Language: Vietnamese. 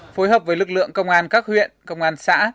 phối hợp với lực lượng công an các huyện công an xã